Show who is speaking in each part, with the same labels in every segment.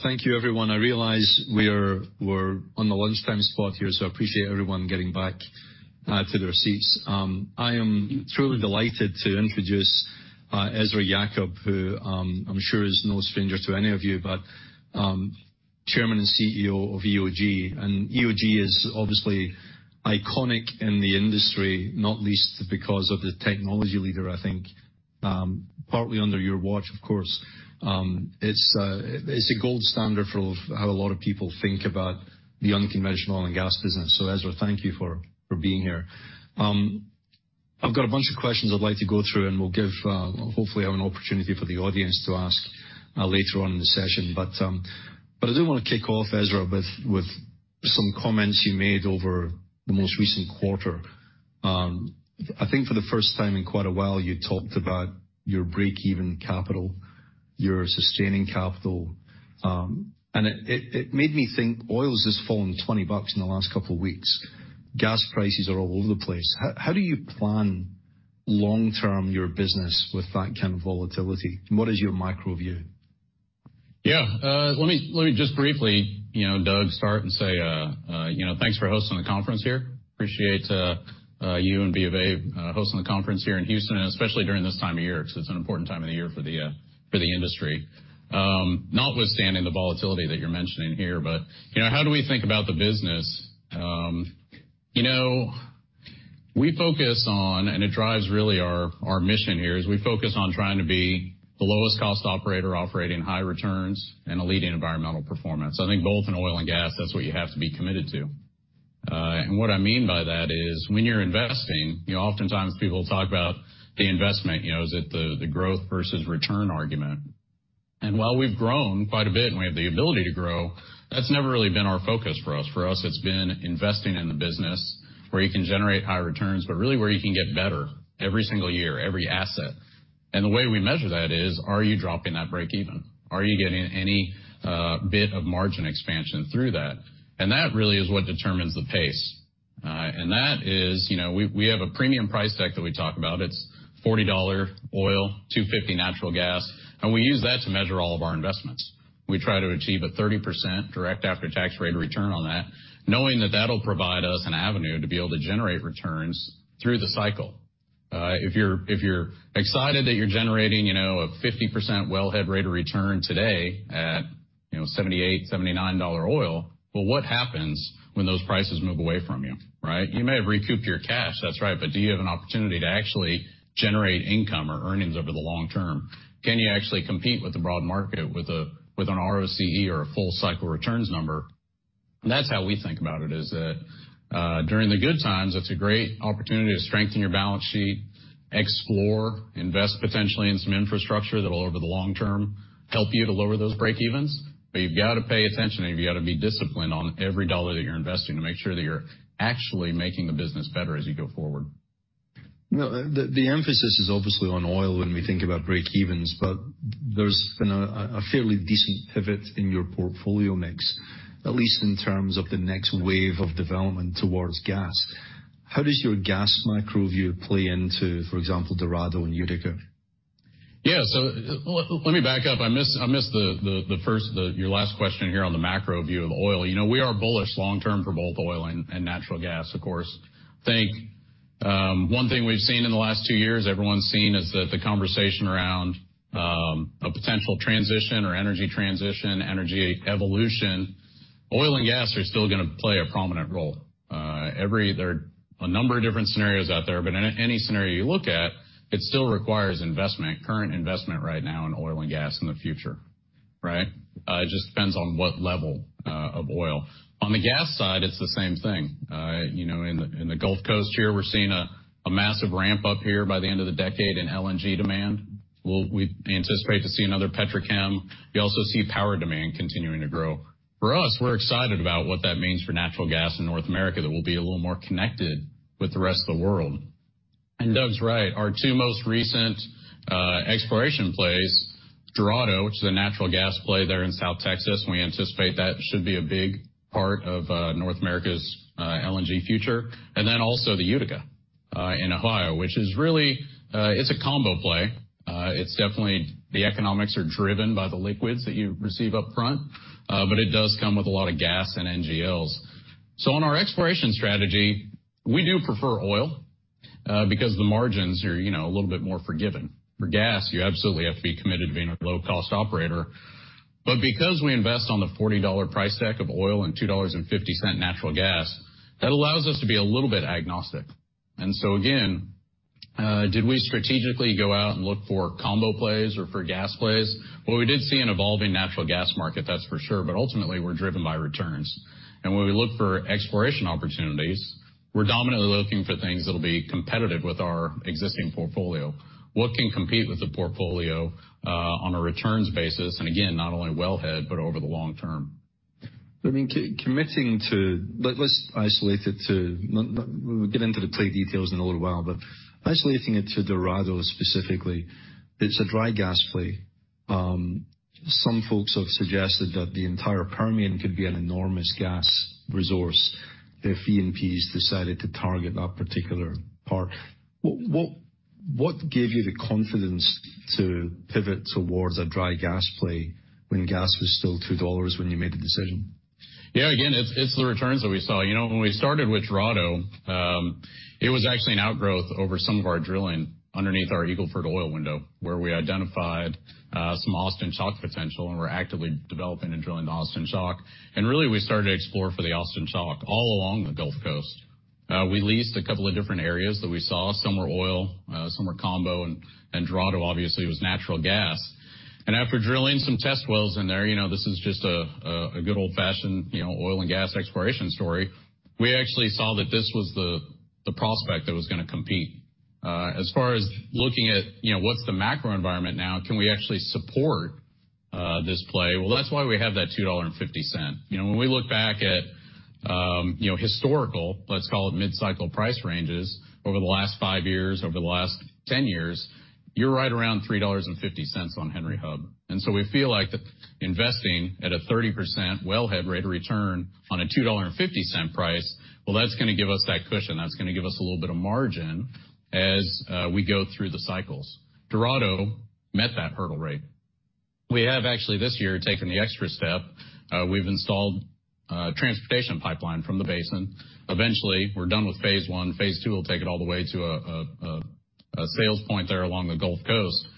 Speaker 1: Thank you, everyone. I realize we're on the lunchtime spot here, so I appreciate everyone getting back to their seats. I am truly delighted to introduce Ezra Yacob, who I'm sure is no stranger to any of you, but Chairman and CEO of EOG. And EOG is obviously iconic in the industry, not least because of the technology leader, I think, partly under your watch, of course. It's a gold standard for how a lot of people think about the unconventional oil and gas business. So Ezra, thank you for being here. I've got a bunch of questions I'd like to go through, and we'll hopefully have an opportunity for the audience to ask later on in the session. But I do want to kick off, Ezra, with some comments you made over the most recent quarter. I think for the first time in quite a while, you talked about your breakeven capital, your sustaining capital, and it made me think, oil's just fallen $20 in the last couple of weeks. Gas prices are all over the place. How do you plan long-term your business with that kind of volatility? What is your macro view?
Speaker 2: Yeah, let me, let me just briefly, you know, Doug, start and say, you know, thanks for hosting the conference here. Appreciate, you and B of A, hosting the conference here in Houston, and especially during this time of year, because it's an important time of the year for the, for the industry. Notwithstanding the volatility that you're mentioning here, but, you know, how do we think about the business? You know, we focus on, and it drives really our, our mission here, is we focus on trying to be the lowest cost operator operating High Returns and a leading environmental performance. I think both in oil and gas, that's what you have to be committed to. What I mean by that is, when you're investing, you know, oftentimes people talk about the investment, you know, is it the growth versus return argument? While we've grown quite a bit, and we have the ability to grow, that's never really been our focus for us. For us, it's been investing in the business where you can generate High Returns, but really where you can get better every single year, every asset. The way we measure that is, are you dropping that breakeven? Are you getting any bit of margin expansion through that? That really is what determines the pace. That is, you know, we have a premium price deck that we talk about. It's $40 oil, $2.50 natural gas, and we use that to measure all of our investments. We try to achieve a 30% direct after-tax rate of return on that, knowing that that'll provide us an avenue to be able to generate returns through the cycle. If you're, if you're excited that you're generating, you know, a 50% wellhead rate of return today at, you know, $78-$79 oil, well, what happens when those prices move away from you, right? You may have recouped your cash, that's right, but do you have an opportunity to actually generate income or earnings over the long term? Can you actually compete with the broad market with a, with an ROCE or a full cycle returns number? That's how we think about it, is that, during the good times, it's a great opportunity to strengthen your balance sheet, explore, invest potentially in some infrastructure that will, over the long term, help you to lower those breakevens. But you've got to pay attention, and you've got to be disciplined on every dollar that you're investing to make sure that you're actually making the business better as you go forward.
Speaker 1: Now, the emphasis is obviously on oil when we think about breakevens, but there's been a fairly decent pivot in your portfolio mix, at least in terms of the next wave of development towards gas. How does your gas macro view play into, for example, Dorado and Utica?
Speaker 2: Yeah. So let me back up. I missed your last question here on the macro view of oil. You know, we are bullish long term for both oil and natural gas, of course. I think one thing we've seen in the last two years, everyone's seen, is that the conversation around a potential transition or energy transition, energy evolution, oil and gas are still gonna play a prominent role. There are a number of different scenarios out there, but any scenario you look at, it still requires investment, current investment right now in oil and gas in the future, right? It just depends on what level of oil. On the gas side, it's the same thing. You know, in the Gulf Coast here, we're seeing a massive ramp up here by the end of the decade in LNG demand. We anticipate to see another petrochem. We also see power demand continuing to grow. For us, we're excited about what that means for natural gas in North America that we'll be a little more connected with the rest of the world. And Doug's right, our two most recent exploration plays, Dorado, which is a natural gas play there in South Texas, we anticipate that should be a big part of North America's LNG future, and then also the Utica in Ohio, which is really, it's a combo play. It's definitely the economics are driven by the liquids that you receive upfront, but it does come with a lot of gas and NGLs. So in our exploration strategy, we do prefer oil, because the margins are, you know, a little bit more forgiving. For gas, you absolutely have to be committed to being a low-cost operator. But because we invest on the $40 price tag of oil and $2.50 natural gas, that allows us to be a little bit agnostic. And so again, did we strategically go out and look for combo plays or for gas plays? Well, we did see an evolving natural gas market, that's for sure, but ultimately, we're driven by returns. And when we look for exploration opportunities, we're dominantly looking for things that'll be competitive with our existing portfolio. What can compete with the portfolio, on a returns basis, and again, not only wellhead, but over the long term?
Speaker 1: I mean, committing to... Let's isolate it to... We'll get into the play details in a little while, but isolating it to Dorado specifically, it's a dry gas play. Some folks have suggested that the entire Permian could be an enormous gas resource if E&Ps decided to target that particular part. What... What gave you the confidence to pivot towards a dry gas play when gas was still $2 when you made the decision?
Speaker 2: Yeah, again, it's, it's the returns that we saw. You know, when we started with Dorado, it was actually an outgrowth over some of our drilling underneath our Eagle Ford oil window, where we identified some Austin Chalk potential, and we're actively developing and drilling the Austin Chalk. And really, we started to explore for the Austin Chalk all along the Gulf Coast. We leased a couple of different areas that we saw. Some were oil, some were combo, and Dorado obviously was natural gas. And after drilling some test wells in there, you know, this is just a good old-fashioned, you know, oil and gas exploration story. We actually saw that this was the prospect that was gonna compete. As far as looking at, you know, what's the macro environment now? Can we actually support this play? Well, that's why we have that $2.50. You know, when we look back at, you know, historical, let's call it mid-cycle price ranges over the last five years, over the last 10 years, you're right around $3.50 on Henry Hub. And so we feel like investing at a 30% wellhead rate of return on a $2.50 price, well, that's gonna give us that cushion. That's gonna give us a little bit of margin as, we go through the cycles. Dorado met that hurdle rate. We have actually, this year, taken the extra step. We've installed a transportation pipeline from the basin. Eventually, we're done with phase one. Phase two will take it all the way to a sales point there along the Gulf Coast.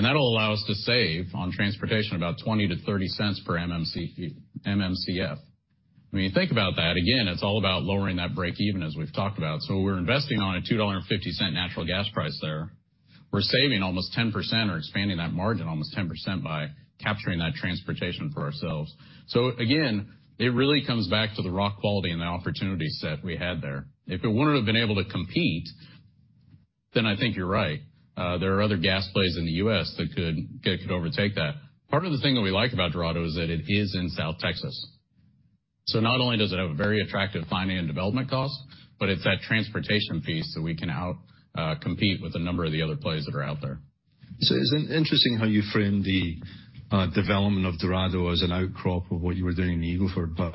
Speaker 2: That'll allow us to save on transportation about $0.20-$0.30 per MMCF. When you think about that, again, it's all about lowering that breakeven, as we've talked about. So we're investing on a $2.50 natural gas price there. We're saving almost 10% or expanding that margin almost 10% by capturing that transportation for ourselves. So again, it really comes back to the rock quality and the opportunity set we had there. If it wouldn't have been able to compete, then I think you're right. There are other gas plays in the U.S. that could overtake that. Part of the thing that we like about Dorado is that it is in South Texas. So not only does it have a very attractive finding and development cost, but it's that transportation piece that we can outcompete with a number of the other plays that are out there.
Speaker 1: So it's interesting how you frame the development of Dorado as an outcrop of what you were doing in Eagle Ford. But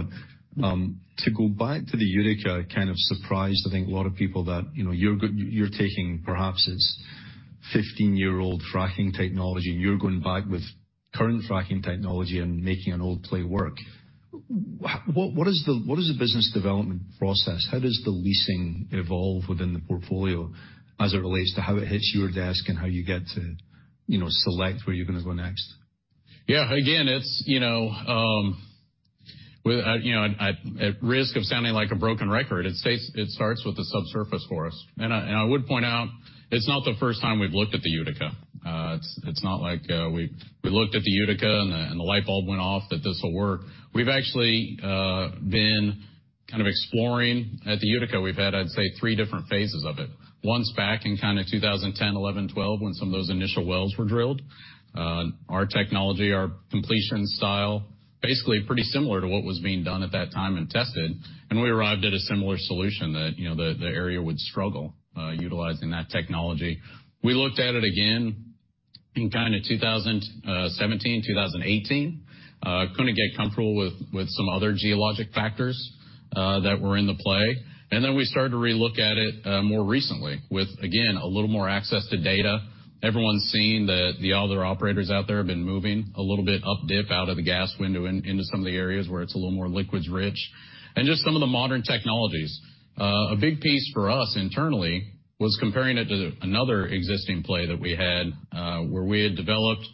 Speaker 1: to go back to the Utica, it kind of surprised, I think, a lot of people that, you know, you're taking, perhaps it's 15-year-old fracking technology, and you're going back with current fracking technology and making an old play work. What is the business development process? How does the leasing evolve within the portfolio as it relates to how it hits your desk and how you get to, you know, select where you're gonna go next?
Speaker 2: Yeah, again, it's, you know, with, you know, at risk of sounding like a broken record, it stays, it starts with the subsurface for us. And I would point out, it's not the first time we've looked at the Utica. It's not like we looked at the Utica, and the light bulb went off that this will work. We've actually been kind of exploring at the Utica. We've had, I'd say, three different phases of it. Once back in kind 2010, 2011, 2012, when some of those initial wells were drilled. Our technology, our completion style, basically pretty similar to what was being done at that time and tested, and we arrived at a similar solution that, you know, the area would struggle utilizing that technology. We looked at it again in kinda 2017, 2018. Couldn't get comfortable with, with some other geologic factors, that were in the play. And then we started to relook at it, more recently with, again, a little more access to data. Everyone's seen that the other operators out there have been moving a little bit up dip out of the gas window in, into some of the areas where it's a little more liquids rich, and just some of the modern technologies. A big piece for us internally was comparing it to another existing play that we had, where we had developed,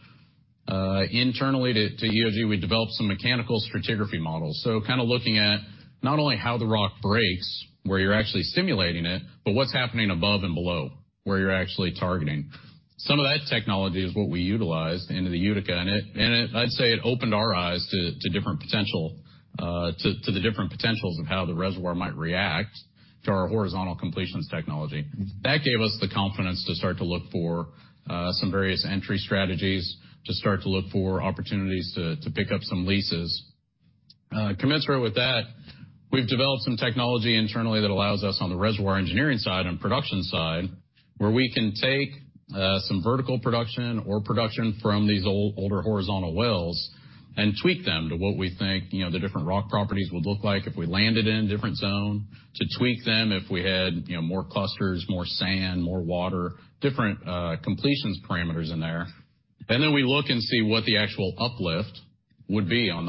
Speaker 2: internally to, to EOG, we developed some mechanical stratigraphy models. So kinda looking at not only how the rock breaks, where you're actually simulating it, but what's happening above and below, where you're actually targeting. Some of that technology is what we utilized into the Utica, and it, I'd say, it opened our eyes to different potential, to the different potentials of how the reservoir might react to our horizontal completions technology. That gave us the confidence to start to look for some various entry strategies, to start to look for opportunities to pick up some leases. Commensurate with that, we've developed some technology internally that allows us on the reservoir engineering side and production side, where we can take some vertical production or production from these older horizontal wells and tweak them to what we think, you know, the different rock properties would look like if we landed in a different zone. To tweak them if we had, you know, more clusters, more sand, more water, different completions parameters in there. Then we look and see what the actual uplift would be on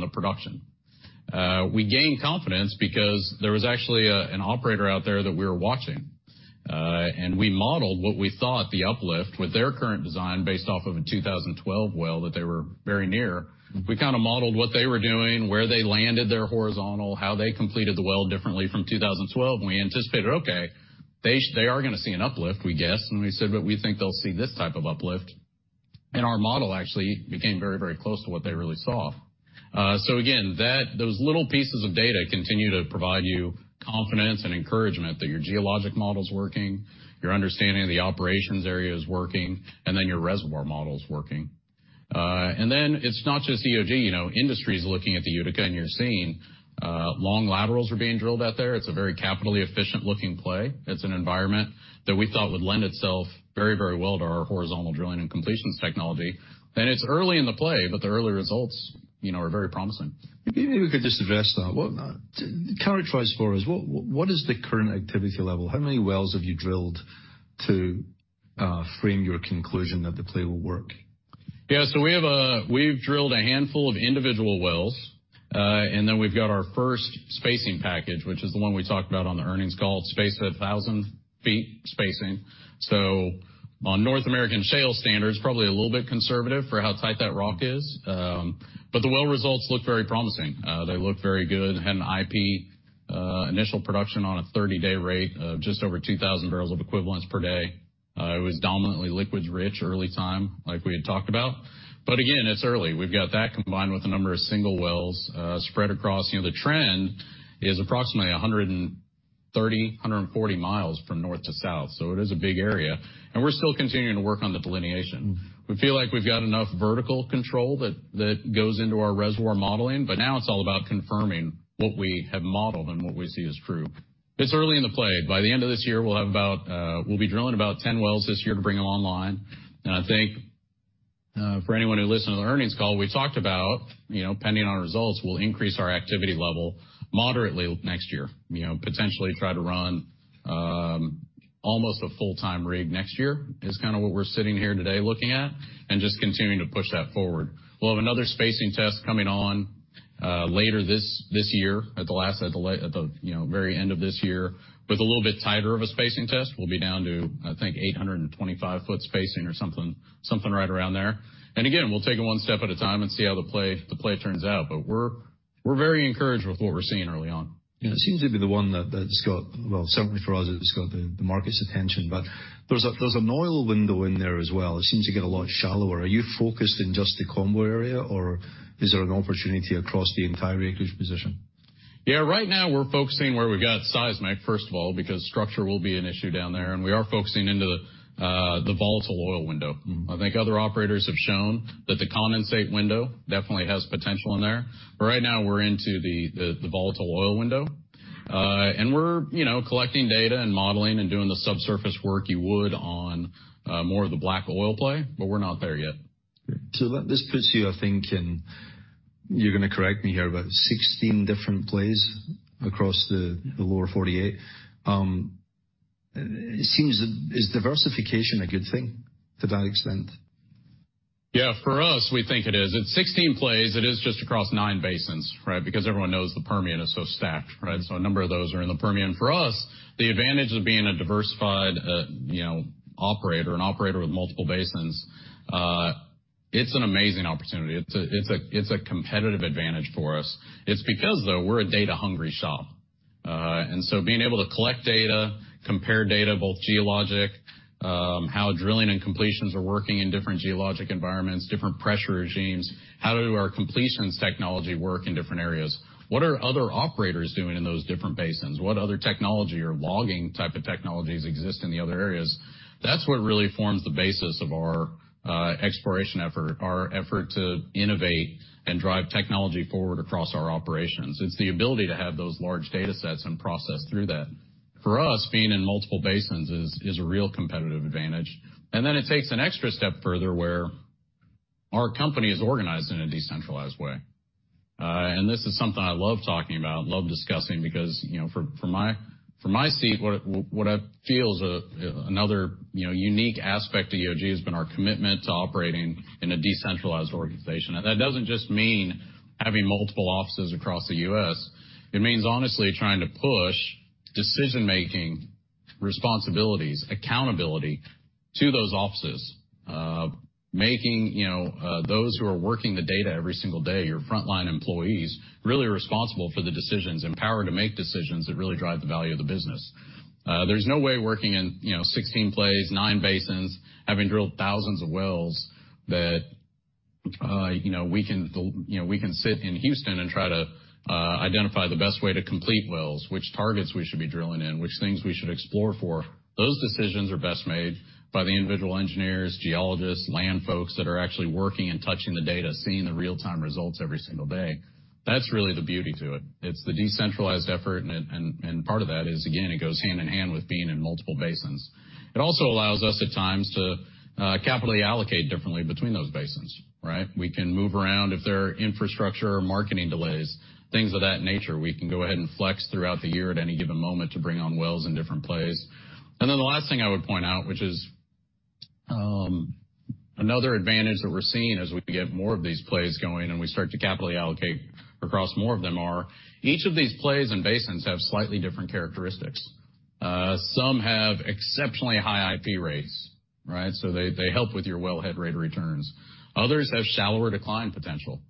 Speaker 2: the production. We gained confidence because there was actually an operator out there that we were watching, and we modeled what we thought the uplift with their current design, based off of a 2012 well that they were very near. We kinda modeled what they were doing, where they landed their horizontal, how they completed the well differently from 2012. We anticipated, okay, they are gonna see an uplift, we guessed, and we said, "But we think they'll see this type of uplift." Our model actually became very, very close to what they really saw. So again, those little pieces of data continue to provide you confidence and encouragement that your geologic model's working, your understanding of the operations area is working, and then your reservoir model's working. And then it's not just EOG, you know. Industry's looking at the Utica, and you're seeing long laterals are being drilled out there. It's a very capitally efficient looking play. It's an environment that we thought would lend itself very, very well to our horizontal drilling and completions technology. And it's early in the play, but the early results, you know, are very promising.
Speaker 1: Maybe we could just address that. What characterize for us, what, what is the current activity level? How many wells have you drilled to frame your conclusion that the play will work?
Speaker 2: Yeah, so we have, we've drilled a handful of individual wells, and then we've got our first spacing package, which is the one we talked about on the earnings call, spaced at 1,000 feet spacing. So on North American shale standards, probably a little bit conservative for how tight that rock is, but the well results look very promising. They look very good. Had an IP, initial production on a 30-day rate of just over 2,000 barrels of equivalents per day. It was dominantly liquids rich, early time, like we had talked about. But again, it's early. We've got that combined with a number of single wells, spread across. You know, the trend is approximately 130-140 miles from north to south, so it is a big area, and we're still continuing to work on the delineation. We feel like we've got enough vertical control that, that goes into our reservoir modeling, but now it's all about confirming what we have modeled and what we see as true. It's early in the play. By the end of this year, we'll have about, we'll be drilling about 10 wells this year to bring them online. And I think, for anyone who listened to the earnings call, we talked about, you know, pending on results, we'll increase our activity level moderately next year. You know, potentially try to run, almost a full-time rig next year, is kind of what we're sitting here today looking at, and just continuing to push that forward. We'll have another spacing test coming on later this year, at the very end of this year, with a little bit tighter of a spacing test. We'll be down to, I think, 825-foot spacing or something right around there. And again, we'll take it one step at a time and see how the play turns out. But we're very encouraged with what we're seeing early on.
Speaker 1: Yeah, it seems to be the one that that's got... Well, certainly for us, it's got the market's attention, but there's an oil window in there as well. It seems to get a lot shallower. Are you focused in just the combo area, or is there an opportunity across the entire acreage position?
Speaker 2: Yeah, right now we're focusing where we've got seismic, first of all, because structure will be an issue down there, and we are focusing into the Volatile Oil Window. I think other operators have shown that the Condensate Window definitely has potential in there. But right now, we're into the Volatile Oil Window. And we're, you know, collecting data and modeling and doing the subsurface work you would on more of the black oil play, but we're not there yet.
Speaker 1: So this puts you, I think, in, you're gonna correct me here, but 16 different plays across the lower 48. It seems, is diversification a good thing to that extent?
Speaker 2: Yeah, for us, we think it is. It's 16 plays. It is just across 9 basins, right? Because everyone knows the Permian is so stacked, right? So a number of those are in the Permian. For us, the advantage of being a diversified, you know, operator, an operator with multiple basins, it's an amazing opportunity. It's a competitive advantage for us. It's because, though, we're a data-hungry shop. And so being able to collect data, compare data, both geologic, how drilling and completions are working in different geologic environments, different pressure regimes, how do our completions technology work in different areas? What are other operators doing in those different basins? What other technology or logging type of technologies exist in the other areas? That's what really forms the basis of our exploration effort, our effort to innovate and drive technology forward across our operations. It's the ability to have those large data sets and process through that. For us, being in multiple basins is a real competitive advantage. And then it takes an extra step further, where our company is organized in a decentralized way. And this is something I love talking about, love discussing, because, you know, from my seat, what I feel is another, you know, unique aspect to EOG has been our commitment to operating in a decentralized organization. That doesn't just mean having multiple offices across the U.S. It means honestly trying to push decision-making responsibilities, accountability to those offices. Making, you know, those who are working the data every single day, your frontline employees, really responsible for the decisions, empowered to make decisions that really drive the value of the business. There's no way working in, you know, 16 plays, 9 basins, having drilled thousands of wells that, you know, we can, you know, we can sit in Houston and try to identify the best way to complete wells, which targets we should be drilling in, which things we should explore for. Those decisions are best made by the individual engineers, geologists, land folks that are actually working and touching the data, seeing the real-time results every single day. That's really the beauty to it. It's the decentralized effort, and part of that is, again, it goes hand in hand with being in multiple basins. It also allows us, at times, to capitally allocate differently between those basins, right? We can move around if there are infrastructure or marketing delays, things of that nature. We can go ahead and flex throughout the year at any given moment to bring on wells in different plays. And then the last thing I would point out, which is another advantage that we're seeing as we get more of these plays going and we start to capitally allocate across more of them are, each of these plays and basins have slightly different characteristics. Some have exceptionally high IP rates, right? So they, they help with your wellhead rate of returns. Others have shallower decline potential.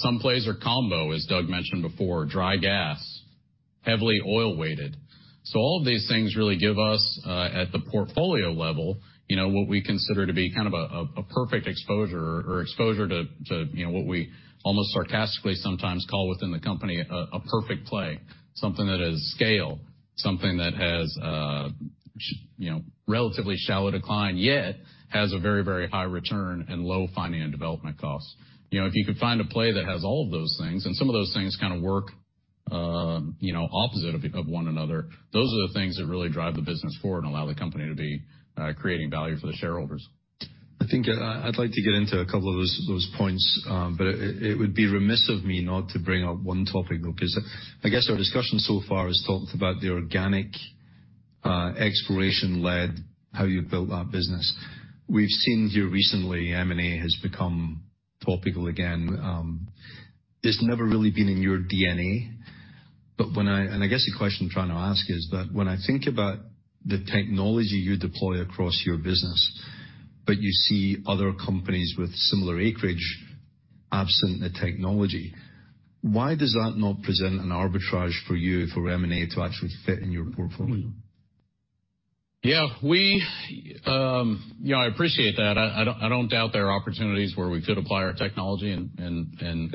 Speaker 2: Some plays are combo, as Doug mentioned before, dry gas, heavily oil weighted. So all of these things really give us at the portfolio level, you know, what we consider to be kind of a perfect exposure to, you know, what we almost sarcastically sometimes call within the company a perfect play. Something that has scale, something that has, you know, relatively shallow decline, yet has a very, very High Return and low finding and development costs. You know, if you could find a play that has all of those things, and some of those things kind of work, you know, opposite of one another, those are the things that really drive the business forward and allow the company to be creating value for the shareholders.
Speaker 1: I think I'd like to get into a couple of those, those points, but it, it would be remiss of me not to bring up one topic, though, because I guess our discussion so far has talked about the organic exploration led how you built that business. We've seen here recently, M&A has become topical again. It's never really been in your DNA, but I guess the question I'm trying to ask is that when I think about the technology you deploy across your business, but you see other companies with similar acreage absent the technology, why does that not present an arbitrage for you for M&A to actually fit in your portfolio?
Speaker 2: Yeah, we, you know, I appreciate that. I don't doubt there are opportunities where we could apply our technology and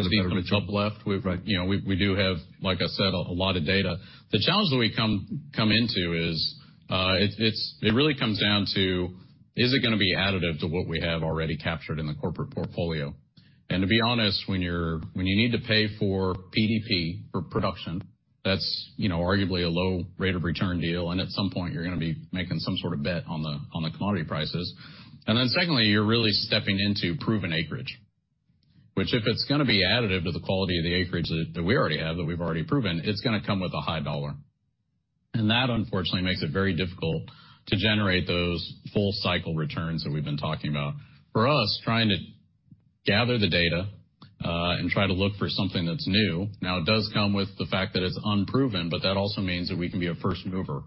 Speaker 2: uplift. We've, you know, we do have, like I said, a lot of data. The challenge that we come into is, it's really comes down to, is it gonna be additive to what we have already captured in the corporate portfolio? And to be honest, when you need to pay for PDP, for production, that's, you know, arguably a low rate of return deal, and at some point, you're gonna be making some sort of bet on the commodity prices. And then secondly, you're really stepping into proven acreage, which, if it's gonna be additive to the quality of the acreage that, that we already have, that we've already proven, it's gonna come with a high dollar. And that, unfortunately, makes it very difficult to generate those full cycle returns that we've been talking about. For us, trying to gather the data, and try to look for something that's new, now, it does come with the fact that it's unproven, but that also means that we can be a first mover,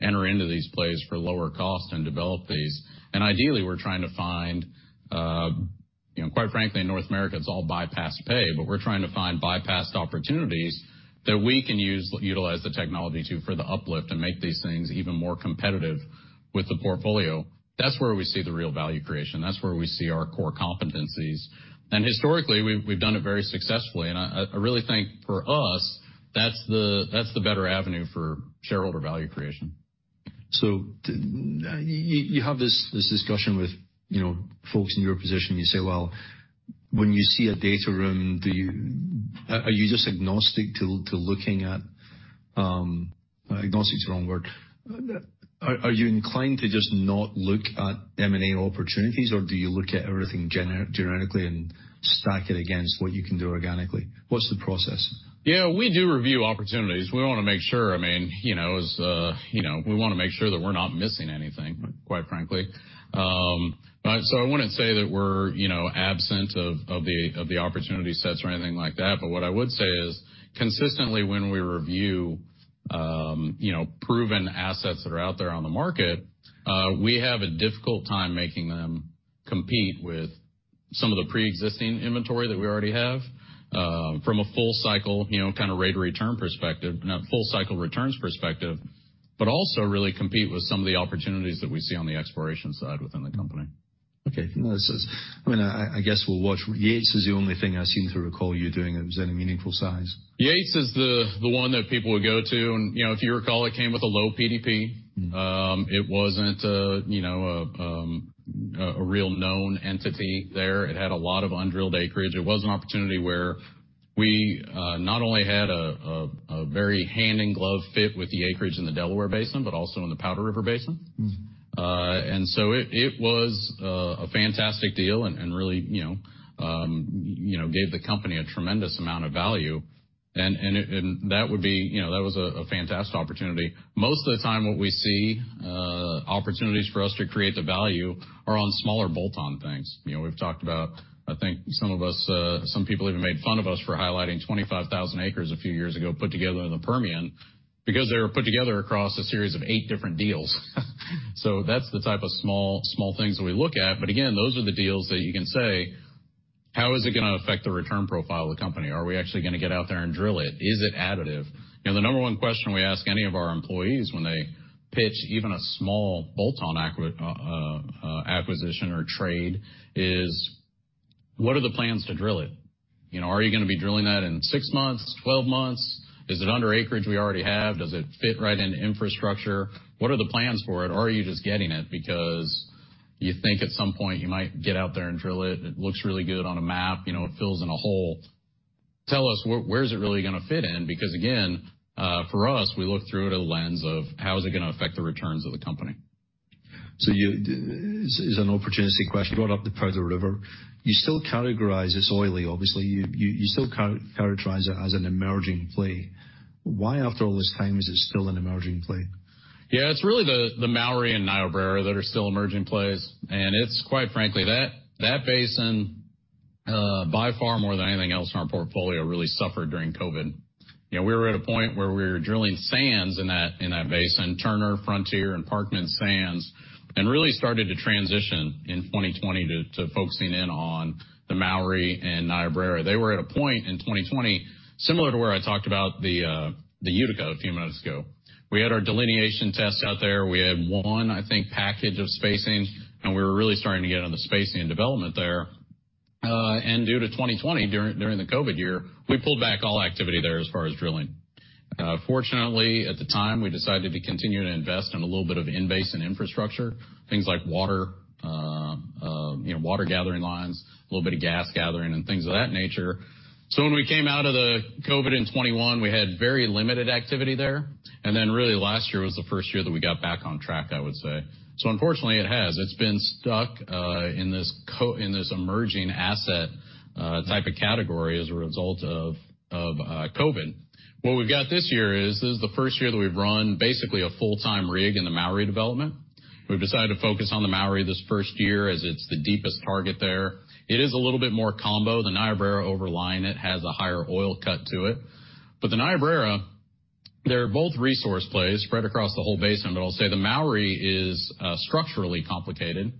Speaker 2: enter into these plays for lower cost and develop these. And ideally, we're trying to find, you know, quite frankly, in North America, it's all bypassed pay, but we're trying to find bypassed opportunities that we can utilize the technology to, for the uplift and make these things even more competitive with the portfolio. That's where we see the real value creation. That's where we see our core competencies. And historically, we've done it very successfully, and I really think for us, that's the better avenue for shareholder value creation.
Speaker 1: So, you have this discussion with, you know, folks in your position. You say, well, when you see a data room, do you... Are you just agnostic to looking at? Agnostic is the wrong word. Are you inclined to just not look at M&A opportunities, or do you look at everything generically and stack it against what you can do organically? What's the process?
Speaker 2: Yeah, we do review opportunities. We wanna make sure, I mean, you know, as, you know, we wanna make sure that we're not missing anything, quite frankly. So I wouldn't say that we're, you know, absent of, of the, of the opportunity sets or anything like that, but what I would say is, consistently when we review, you know, proven assets that are out there on the market, we have a difficult time making them compete with some of the pre-existing inventory that we already have, from a full cycle, you know, kind of rate of return perspective, not full cycle returns perspective, but also really compete with some of the opportunities that we see on the exploration side within the company.
Speaker 1: Okay. No, this is... I mean, I guess we'll watch. Yates is the only thing I seem to recall you doing of any meaningful size.
Speaker 2: Yates is the one that people would go to, and, you know, if you recall, it came with a low PDP. It wasn't, you know, a real known entity there. It had a lot of undrilled acreage. It was an opportunity where we not only had a very hand-in-glove fit with the acreage in the Delaware Basin, but also in the Powder River Basin. And so it was a fantastic deal and really, you know, you know, gave the company a tremendous amount of value. And it, that would be, you know, that was a fantastic opportunity. Most of the time, what we see, opportunities for us to create the value are on smaller bolt-on things. You know, we've talked about, I think some of us, some people even made fun of us for highlighting 25,000 acres a few years ago, put together in the Permian, because they were put together across a series of 8 different deals. So that's the type of small, small things that we look at. But again, those are the deals that you can say, "How is it gonna affect the return profile of the company? Are we actually gonna get out there and drill it? Is it additive?" You know, the number one question we ask any of our employees when they pitch even a small bolt-on acquisition or trade is: What are the plans to drill it? You know, are you gonna be drilling that in six months, 12 months? Is it under acreage we already have? Does it fit right into infrastructure? What are the plans for it? Or are you just getting it because you think at some point you might get out there and drill it, it looks really good on a map, you know, it fills in a hole. Tell us, where, where is it really gonna fit in? Because, again, for us, we look through the lens of how is it gonna affect the returns of the company.
Speaker 1: So, this is an opportunity question. You brought up the Powder River. You still categorize it as oily obviously. You still characterize it as an emerging play. Why, after all this time, is it still an emerging play?
Speaker 2: Yeah, it's really the Mowry and Niobrara that are still emerging plays, and it's quite frankly, that basin, by far more than anything else in our portfolio, really suffered during COVID. You know, we were at a point where we were drilling sands in that basin, Turner, Frontier, and Parkman Sands, and really started to transition in 2020 to focusing in on the Mowry and Niobrara. They were at a point in 2020, similar to where I talked about the Utica a few minutes ago. We had our delineation tests out there. We had one, I think, package of spacing, and we were really starting to get on the spacing and development there. And due to 2020, during the COVID year, we pulled back all activity there as far as drilling. Fortunately, at the time, we decided to continue to invest in a little bit of in-basin infrastructure, things like water, you know, water gathering lines, a little bit of gas gathering and things of that nature. So when we came out of the COVID in 2021, we had very limited activity there, and then really last year was the first year that we got back on track, I would say. So unfortunately, it has. It's been stuck in this emerging asset type of category as a result of COVID. What we've got this year is, this is the first year that we've run basically a full-time rig in the Mowry development. We've decided to focus on the Mowry this first year, as it's the deepest target there. It is a little bit more combo. The Niobrara overlies, it has a higher oil cut to it. But the Niobrara, they're both resource plays spread across the whole basin. But I'll say the Mowry is structurally complicated.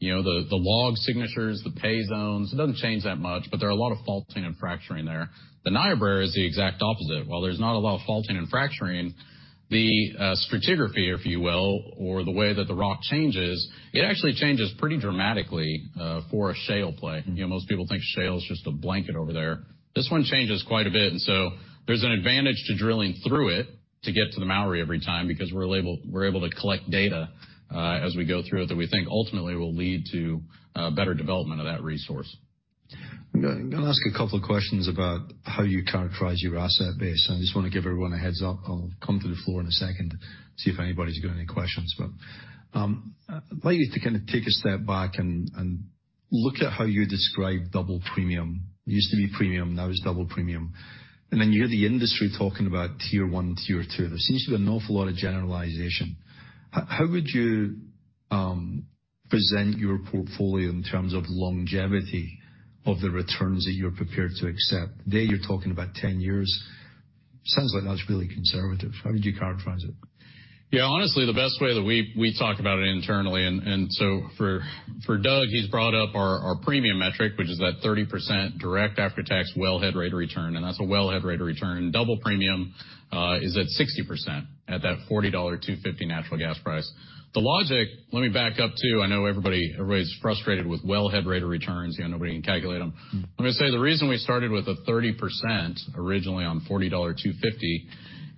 Speaker 2: You know, the log signatures, the pay zones, it doesn't change that much, but there are a lot of faulting and fracturing there. The Niobrara is the exact opposite. While there's not a lot of faulting and fracturing, the stratigraphy, if you will, or the way that the rock changes, it actually changes pretty dramatically for a shale play. You know, most people think shale is just a blanket over there. This one changes quite a bit, and so there's an advantage to drilling through it to get to the Mowry every time, because we're able, we're able to collect data, as we go through it, that we think ultimately will lead to, better development of that resource.
Speaker 1: I'm gonna ask a couple of questions about how you characterize your asset base, and I just wanna give everyone a heads up. I'll come to the floor in a second to see if anybody's got any questions. But, I'd like you to kind of take a step back and look at how you describe Double Premium. It used to be Premium, now it's Double Premium. And then you hear the industry talking about tier one, tier two. There seems to be an awful lot of generalization. How would you present your portfolio in terms of longevity of the returns that you're prepared to accept? Today, you're talking about 10 years. Sounds like that's really conservative. How would you characterize it?
Speaker 2: Yeah, honestly, the best way that we talk about it internally, and so for Doug, he's brought up our premium metric, which is that 30% direct after-tax well head rate of return, and that's a well head rate of return. Double premium is at 60%, at that $40 and $2.50 natural gas price. The logic. Let me back up, too. I know everybody, everybody's frustrated with well head rate of returns, you know, nobody can calculate them. I'm gonna say the reason we started with a 30% originally on $40 $2.50,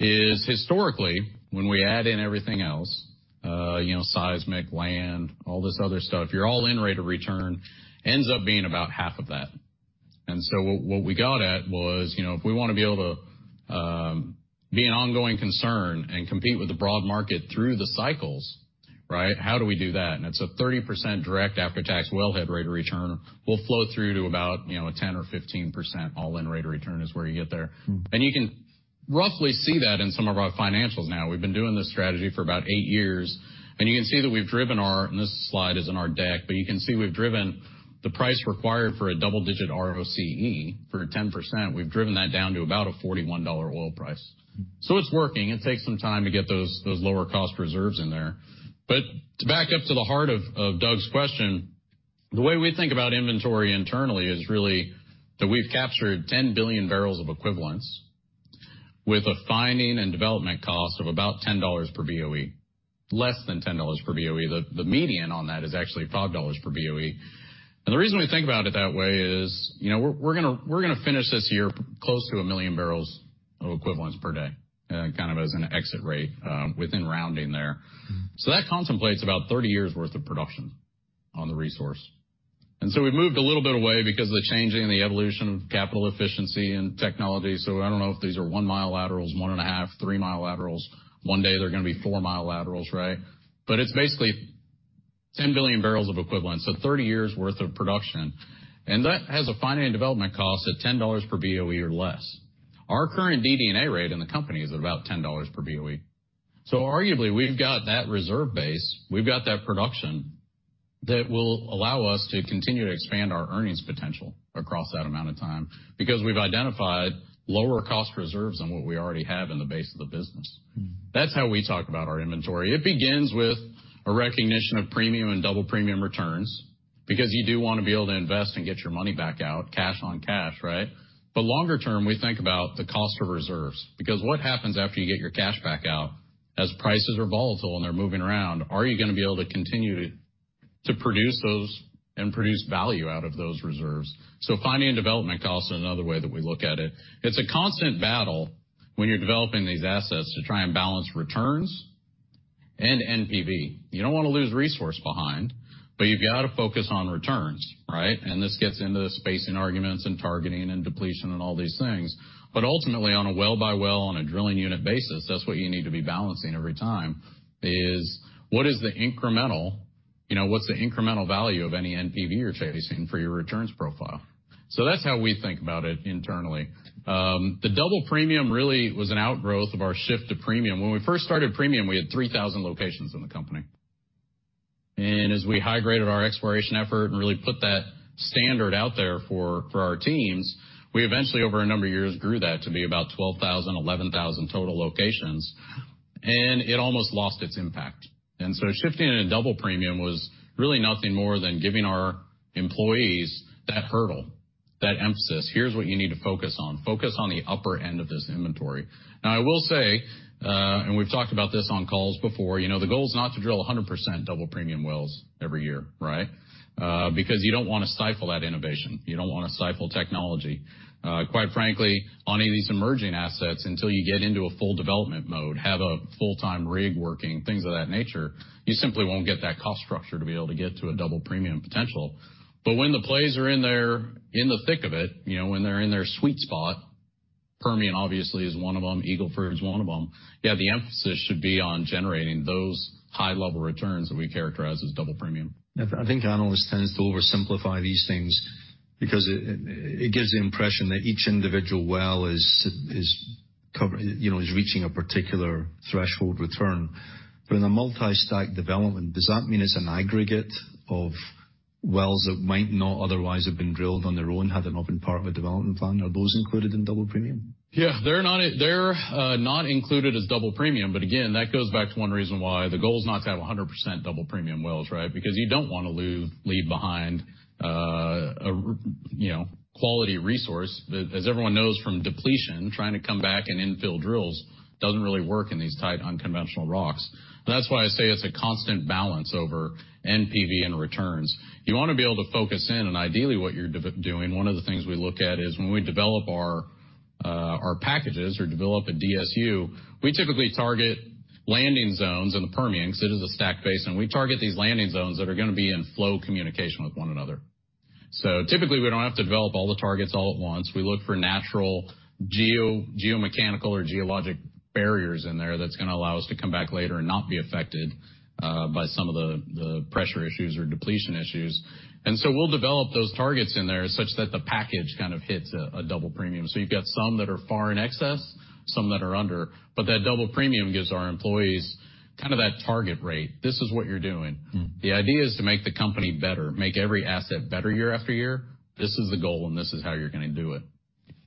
Speaker 2: is historically, when we add in everything else, you know, seismic, land, all this other stuff, your all-in rate of return ends up being about half of that. So what we got at was, you know, if we wanna be able to be an ongoing concern and compete with the broad market through the cycles, right? How do we do that? And it's a 30% direct after-tax well head rate of return will flow through to about, you know, a 10% or 15% all-in rate of return is where you get there. And you can roughly see that in some of our financials now. We've been doing this strategy for about eight years, and you can see that we've driven our... And this slide is in our deck, but you can see we've driven the price required for a double-digit ROCE for 10%. We've driven that down to about a $41 oil price. So it's working. It takes some time to get those lower cost reserves in there. But to back up to the heart of Doug's question, the way we think about inventory internally is really that we've captured 10 billion barrels of equivalents with a finding and development cost of about $10 per BOE, less than $10 per BOE. The median on that is actually $5 per BOE. The reason we think about it that way is, you know, we're gonna finish this year close to 1 million barrels of equivalents per day, kind of as an exit rate, within rounding there. So that contemplates about 30 years' worth of production on the resource. And so we've moved a little bit away because of the changing and the evolution of capital efficiency and technology. So I don't know if these are 1-mile laterals, 1.5, 3-mile laterals. One day they're gonna be 4-mile laterals, right? But it's basically 10 billion barrels of equivalent, so 30 years' worth of production. And that has a finding and development cost at $10 per BOE or less. Our current DD&A rate in the company is about $10 per BOE. So arguably, we've got that reserve base, we've got that production that will allow us to continue to expand our earnings potential across that amount of time, because we've identified lower cost reserves than what we already have in the base of the business. That's how we talk about our inventory. It begins with a recognition of Premium and Double Premium returns, because you do wanna be able to invest and get your money back out, cash on cash, right? But longer term, we think about the cost of reserves, because what happens after you get your cash back out as prices are volatile and they're moving around, are you gonna be able to continue to produce those and produce value out of those reserves? So Finding and Development Cost is another way that we look at it. It's a constant battle when you're developing these assets to try and balance returns and NPV. You don't wanna lose resource behind, but you've got to focus on returns, right? And this gets into the spacing arguments and targeting and depletion and all these things. But ultimately, on a well-by-well, on a drilling unit basis, that's what you need to be balancing every time, is what is the incremental, you know, what's the incremental value of any NPV you're chasing for your returns profile? So that's how we think about it internally. The double premium really was an outgrowth of our shift to premium. When we first started premium, we had 3,000 locations in the company. And as we high-graded our exploration effort and really put that standard out there for our teams, we eventually, over a number of years, grew that to be about 12,000, 11,000 total locations, and it almost lost its impact. And so shifting in a double premium was really nothing more than giving our employees that hurdle, that emphasis. Here's what you need to focus on. Focus on the upper end of this inventory. Now, I will say, and we've talked about this on calls before, you know, the goal is not to drill 100% Double Premium wells every year, right? Because you don't wanna stifle that innovation. You don't wanna stifle technology. Quite frankly, on any of these emerging assets, until you get into a full development mode, have a full-time rig working, things of that nature, you simply won't get that cost structure to be able to get to a Double Premium potential. But when the plays are in there, in the thick of it, you know, when they're in their sweet spot, Permian obviously is one of them, Eagle Ford is one of them, yeah, the emphasis should be on generating those high-level returns that we characterize as Double Premium.
Speaker 1: I think analysts tends to oversimplify these things because it gives the impression that each individual well is covering, you know, is reaching a particular threshold return. But in a multi-stack development, does that mean it's an aggregate of wells that might not otherwise have been drilled on their own, had they not been part of a development plan? Are those included in Double Premium?
Speaker 2: Yeah, they're not included as double premium, but again, that goes back to one reason why the goal is not to have 100% double premium wells, right? Because you don't wanna leave behind, you know, a quality resource that, as everyone knows from depletion, trying to come back and infill drills doesn't really work in these tight, unconventional rocks. That's why I say it's a constant balance over NPV and returns. You want to be able to focus in, and ideally, what you're doing, one of the things we look at is when we develop our packages or develop a DSU, we typically target landing zones in the Permian, because it is a stack basin. We target these landing zones that are gonna be in flow communication with one another. So typically, we don't have to develop all the targets all at once. We look for natural geo, geomechanical, or geologic barriers in there that's gonna allow us to come back later and not be affected by some of the pressure issues or depletion issues. And so we'll develop those targets in there such that the package kind of hits a double premium. So you've got some that are far in excess, some that are under, but that double premium gives our employees kind of that target rate. This is what you're doing. The idea is to make the company better, make every asset better year after year. This is the goal, and this is how you're gonna do it.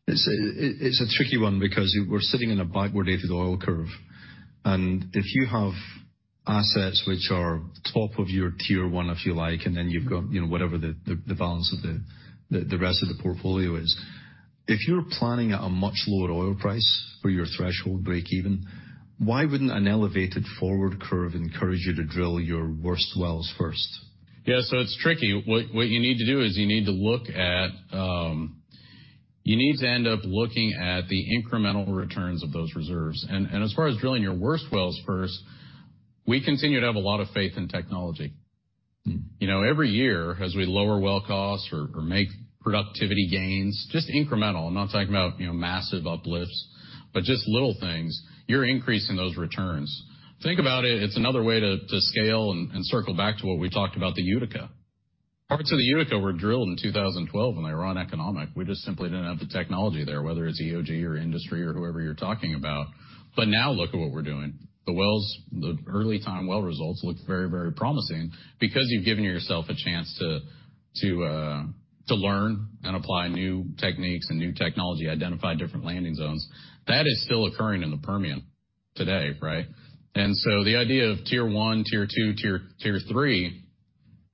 Speaker 1: It's a tricky one because you-- we're sitting in a backwardated oil curve, and if you have assets which are top of your tier one, if you like, and then you've got, you know, whatever the balance of the rest of the portfolio is. If you're planning at a much lower oil price for your threshold breakeven, why wouldn't an elevated forward curve encourage you to drill your worst wells first?
Speaker 2: Yeah, so it's tricky. What, what you need to do is you need to look at, you need to end up looking at the incremental returns of those reserves. And, and as far as drilling your worst wells first, we continue to have a lot of faith in technology. You know, every year, as we lower well costs or make productivity gains, just incremental, I'm not talking about, you know, massive uplifts, but just little things, you're increasing those returns. Think about it, it's another way to scale and circle back to what we talked about the Utica. Parts of the Utica were drilled in 2012, and they were uneconomic. We just simply didn't have the technology there, whether it's EOG or industry or whoever you're talking about. But now look at what we're doing. The wells, the early time well results look very, very promising because you've given yourself a chance to learn and apply new techniques and new technology, identify different landing zones. That is still occurring in the Permian today, right? So the idea of tier one, tier two, tier, tier three,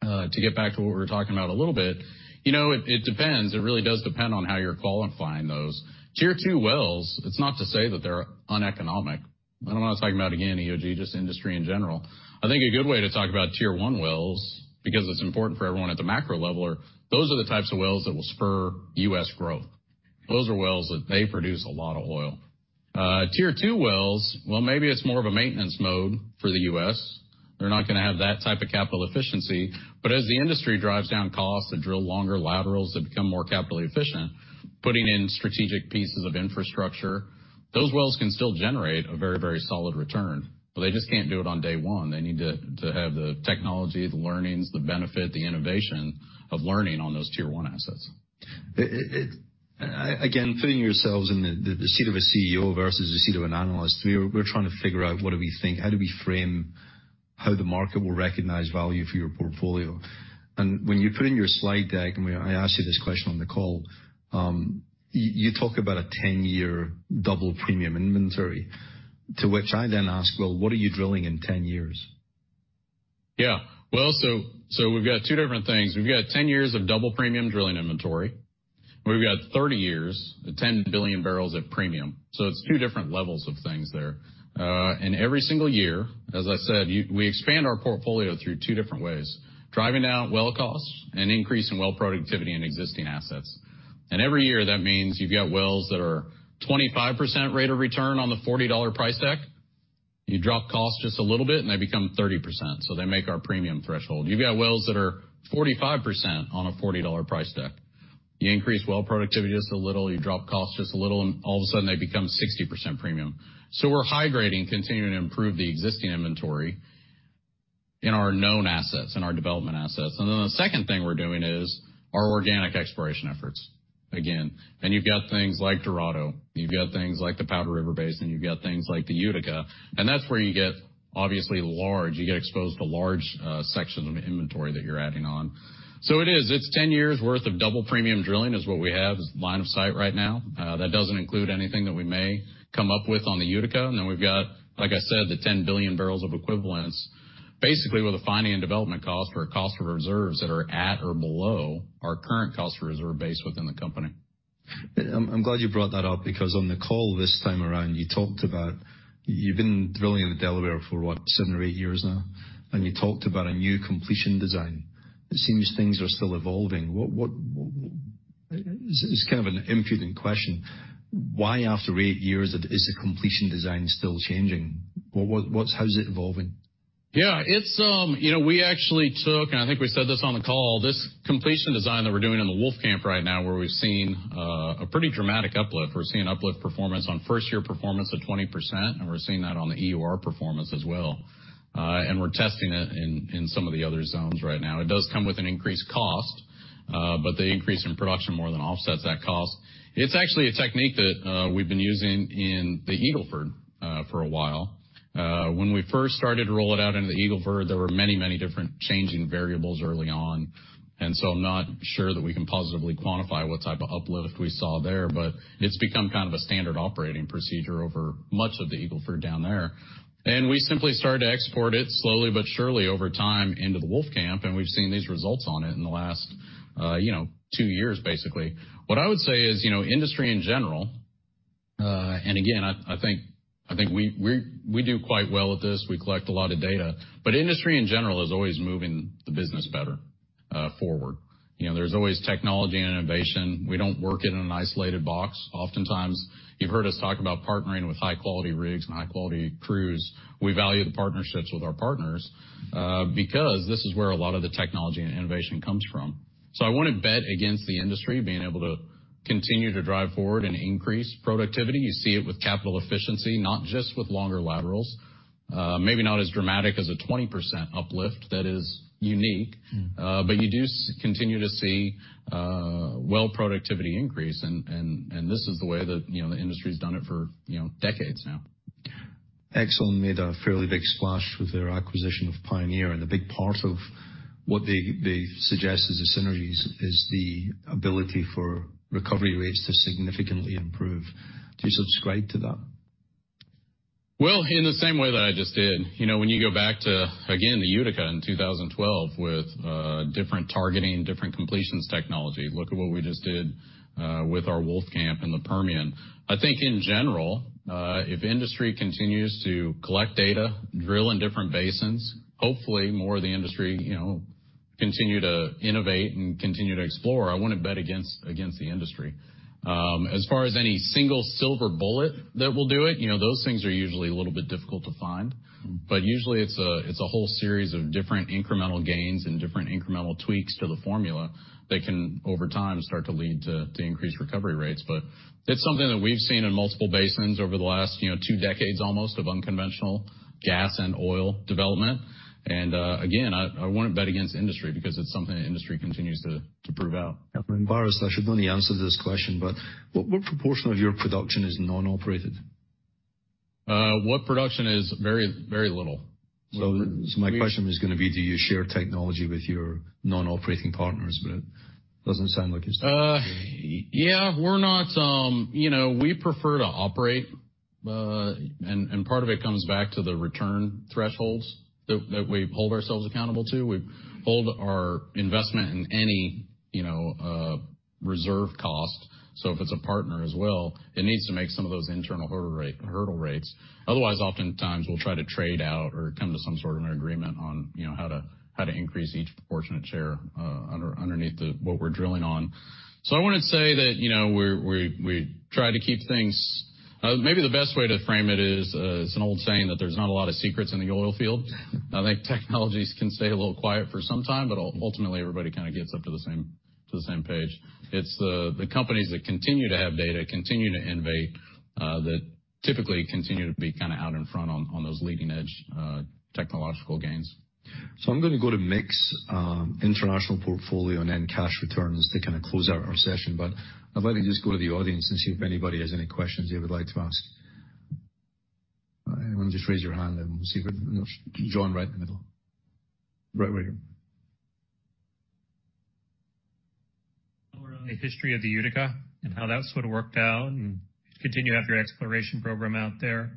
Speaker 2: to get back to what we were talking about a little bit, you know, it, it depends, it really does depend on how you're qualifying those. Tier two wells, it's not to say that they're uneconomic. I'm not talking about, again, EOG, just industry in general. I think a good way to talk about tier one wells, because it's important for everyone at the macro level, are those are the types of wells that will spur U.S. growth. Those are wells that they produce a lot of oil. Tier two wells, well, maybe it's more of a maintenance mode for the U.S. They're not gonna have that type of capital efficiency, but as the industry drives down costs, they drill longer laterals, they become more capitally efficient, putting in strategic pieces of infrastructure, those wells can still generate a very, very solid return, but they just can't do it on day one. They need to have the technology, the learnings, the benefit, the innovation of learning on those tier one assets.
Speaker 1: Again, putting yourselves in the seat of a CEO versus the seat of an analyst, we're trying to figure out what do we think, how do we frame how the market will recognize value for your portfolio? And when you put in your slide deck, and when I asked you this question on the call, you talk about a ten year double premium inventory, to which I then ask, "Well, what are you drilling in ten years?
Speaker 2: Yeah. Well, so, so we've got two different things. We've got 10 years of Double Premium drilling inventory, and we've got 30 years, the 10 billion barrels at Premium. So it's two different levels of things there. And every single year, as I said, we expand our portfolio through two different ways, driving down well costs and increasing well productivity in existing assets. And every year, that means you've got wells that are 25% rate of return on the $40 price deck. You drop costs just a little bit, and they become 30%, so they make our Premium threshold. You've got wells that are 45% on a $40 price deck. You increase well productivity just a little, you drop costs just a little, and all of a sudden, they become 60% Premium. So we're hydrating, continuing to improve the existing inventory in our known assets, in our development assets. And then the second thing we're doing is our organic exploration efforts again. And you've got things like Dorado, you've got things like the Powder River Basin, you've got things like the Utica, and that's where you get obviously large, you get exposed to large sections of inventory that you're adding on. So it is, it's 10 years worth of double premium drilling is what we have as line of sight right now. That doesn't include anything that we may come up with on the Utica, and then we've got, like I said, the 10 billion barrels of equivalents, basically with a finding and development cost or a cost of reserves that are at or below our current cost reserve base within the company.
Speaker 1: I'm glad you brought that up, because on the call this time around, you talked about you've been drilling in the Delaware for seven or eight years now? And you talked about a new completion design. It seems things are still evolving. It's kind of an impudent question: Why, after eight years, is the completion design still changing? How is it evolving?
Speaker 2: Yeah, it's, you know, we actually took, and I think we said this on the call, this completion design that we're doing in the Wolfcamp right now, where we've seen a pretty dramatic uplift. We're seeing uplift performance on first-year performance of 20%, and we're seeing that on the EUR performance as well. And we're testing it in some of the other zones right now. It does come with an increased cost, but the increase in production more than offsets that cost. It's actually a technique that we've been using in the Eagle Ford for a while. When we first started to roll it out into the Eagle Ford, there were many, many different changing variables early on, and so I'm not sure that we can positively quantify what type of uplift we saw there, but it's become kind of a standard operating procedure over much of the Eagle Ford down there. We simply started to export it slowly but surely over time into the Wolfcamp, and we've seen these results on it in the last, you know, two years, basically. What I would say is, you know, industry in general, and again, I think we do quite well at this. We collect a lot of data, but industry in general is always moving the business better forward. You know, there's always technology and innovation. We don't work in an isolated box. Oftentimes, you've heard us talk about partnering with high-quality rigs and high-quality crews. We value the partnerships with our partners because this is where a lot of the technology and innovation comes from. So I wouldn't bet against the industry being able to continue to drive forward and increase productivity. You see it with capital efficiency, not just with longer laterals. Maybe not as dramatic as a 20% uplift that is unique. But you do continue to see well productivity increase, and this is the way that, you know, the industry's done it for, you know, decades now.
Speaker 1: ExxonMobil made a fairly big splash with their acquisition of Pioneer, and a big part of what they suggest as the synergies is the ability for recovery rates to significantly improve. Do you subscribe to that?
Speaker 2: Well, in the same way that I just did. You know, when you go back to, again, the Utica in 2012 with, different targeting, different completions technology, look at what we just did, with our Wolfcamp in the Permian. I think in general, if industry continues to collect data, drill in different basins, hopefully more of the industry, you know, continue to innovate and continue to explore, I wouldn't bet against, against the industry. As far as any single silver bullet that will do it, you know, those things are usually a little bit difficult to find. But usually it's a whole series of different incremental gains and different incremental tweaks to the formula that can, over time, start to lead to increased recovery rates. But it's something that we've seen in multiple basins over the last, you know, two decades, almost, of unconventional gas and oil development. And again, I wouldn't bet against industry because it's something that industry continues to prove out.
Speaker 1: Baris, I should only answer this question, but what, what proportion of your production is non-operated?
Speaker 2: What production is? Very, very little.
Speaker 1: So, my question was gonna be, do you share technology with your non-operating partners, but it doesn't sound like you do.
Speaker 2: Yeah, we're not... You know, we prefer to operate, and part of it comes back to the return thresholds that we hold ourselves accountable to. We hold our investment in any, you know, reserve cost. So if it's a partner as well, it needs to make some of those internal hurdle rate, hurdle rates. Otherwise, oftentimes we'll try to trade out or come to some sort of an agreement on, you know, how to increase each proportionate share, underneath what we're drilling on. So I wouldn't say that, you know, we're, we try to keep things... Maybe the best way to frame it is, it's an old saying that there's not a lot of secrets in the oil field.I think technologies can stay a little quiet for some time, but ultimately, everybody kind of gets up to the same page. It's the companies that continue to have data, continue to innovate, that typically continue to be kind of out in front on those leading-edge technological gains. So I'm gonna go to mix, international portfolio and then cash returns to kind of close out our session. But I'd like to just go to the audience and see if anybody has any questions they would like to ask. Anyone, just raise your hand and we'll see. John, right in the middle. Right right here.
Speaker 3: The history of the Utica and how that sort of worked out, and continue to have your exploration program out there.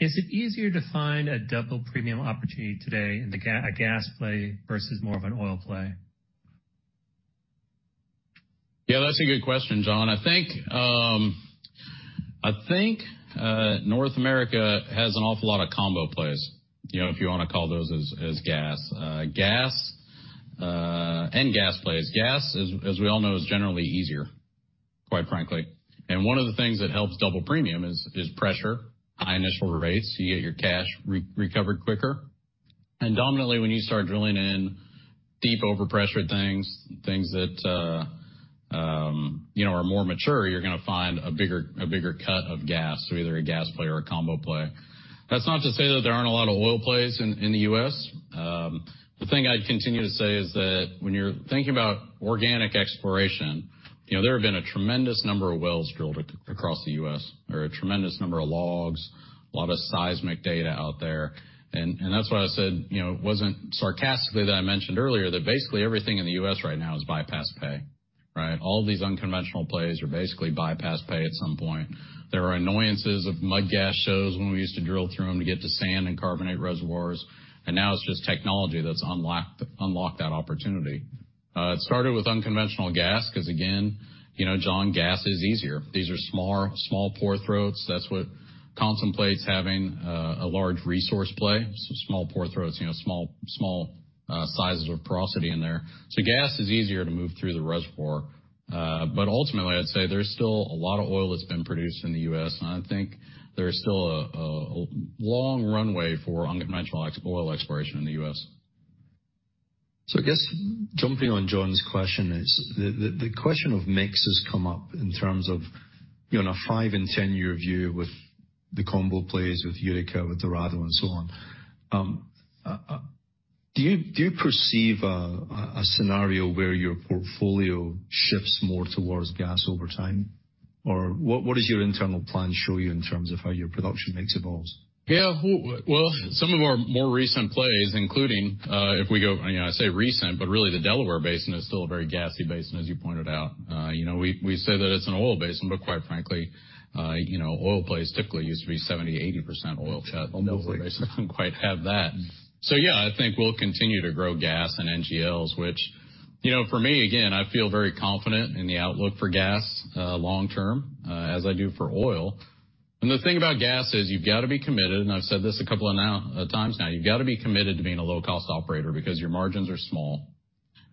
Speaker 3: Is it easier to find a Double Premium opportunity today in the gas play versus more of an oil play?
Speaker 2: Yeah, that's a good question, John. I think, I think, North America has an awful lot of combo plays, you know, if you want to call those as gas. Gas, and gas plays. Gas, as we all know, is generally easier, quite frankly. And one of the things that helps double premium is pressure, high initial rates, so you get your cash recovered quicker. And dominantly, when you start drilling in deep, overpressured things, things that you know are more mature, you're gonna find a bigger cut of gas through either a gas play or a combo play. That's not to say that there aren't a lot of oil plays in the U.S. The thing I'd continue to say is that when you're thinking about organic exploration, you know, there have been a tremendous number of wells drilled across the U.S. or a tremendous number of logs, a lot of seismic data out there. And that's why I said, you know, it wasn't sarcastically that I mentioned earlier that basically everything in the U.S. right now is bypassed pay, right? All these unconventional plays are basically bypassed pay at some point. There are annoyances of mud gas shows when we used to drill through them to get to sand and carbonate reservoirs, and now it's just technology that's unlocked that opportunity. It started with unconventional gas, because again, you know, John, gas is easier. These are small, small pore throats. That's what contemplates having, a large resource play, so small pore throats, you know, small, small, sizes of porosity in there. So gas is easier to move through the reservoir. But ultimately, I'd say there's still a lot of oil that's been produced in the U.S., and I think there is still a long runway for unconventional ex- oil exploration in the U.S.
Speaker 1: So I guess jumping on John's question is, the question of mix has come up in terms of, you know, a 5- and 10 year view with the combo plays, with Utica, with Dorado, and so on. Do you perceive a scenario where your portfolio shifts more towards gas over time? Or what does your internal plan show you in terms of how your production mix evolves?
Speaker 2: Yeah, well, well, some of our more recent plays, including, if we go, you know, I say recent, but really, the Delaware Basin is still a very gassy basin, as you pointed out. You know, we, we say that it's an oil basin, but quite frankly, you know, oil plays typically used to be 70%-80% oil cut. Delaware doesn't quite have that. So, yeah, I think we'll continue to grow gas and NGLs, which, you know, for me, again, I feel very confident in the outlook for gas, long term, as I do for oil. And the thing about gas is, you've got to be committed, and I've said this a couple of times now, you've got to be committed to being a low-cost operator because your margins are small,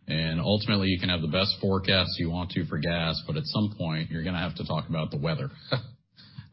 Speaker 2: and ultimately, you can have the best forecast you want to for gas, but at some point, you're gonna have to talk about the weather,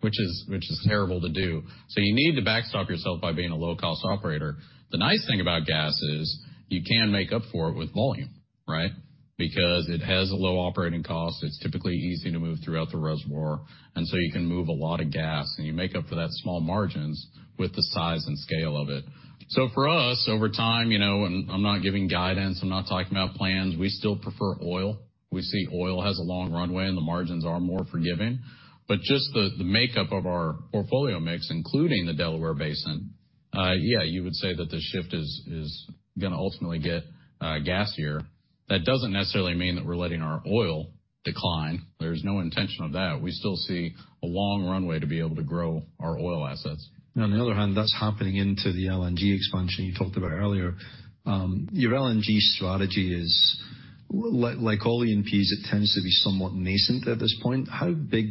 Speaker 2: which is terrible to do. So you need to backstop yourself by being a low-cost operator. The nice thing about gas is, you can make up for it with volume, right? Because it has a low operating cost, it's typically easy to move throughout the reservoir, and so you can move a lot of gas, and you make up for that small margins with the size and scale of it. So for us, over time, you know, and I'm not giving guidance, I'm not talking about plans, we still prefer oil. We see oil has a long runway, and the margins are more forgiving. But just the makeup of our portfolio mix, including the Delaware Basin, yeah, you would say that the shift is gonna ultimately get gassier. That doesn't necessarily mean that we're letting our oil decline. There's no intention of that. We still see a long runway to be able to grow our oil assets.
Speaker 1: On the other hand, that's happening into the LNG expansion you talked about earlier. Your LNG strategy is, like, like all E&Ps, it tends to be somewhat nascent at this point. How big